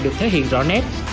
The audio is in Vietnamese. được thể hiện rõ nét